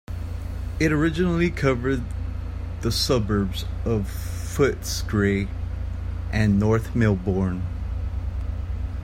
It originally covered the suburbs of Footscray and North Melbourne.